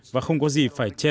và không có gì phải che